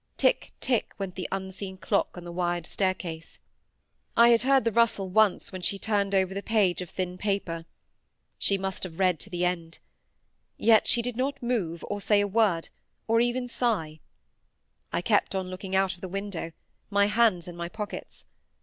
Tick tick went the unseen clock on the wide staircase. I had heard the rustle once, when she turned over the page of thin paper. She must have read to the end. Yet she did not move, or say a word, or even sigh. I kept on looking out of the window, my hands in my pockets.